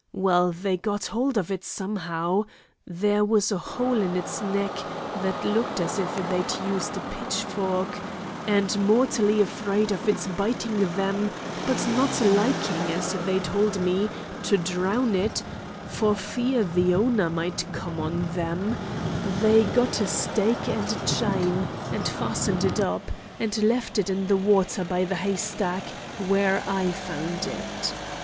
Well, they got hold of it somehow—there was a hole in its neck that looked as if they'd used a pitchfork—and, mortally afraid of its biting them, but not liking, as they told me, to drown it, for fear the owner might come on them, they got a stake and a chain, and fastened it up, and left it in the water by the hay stack where I found it.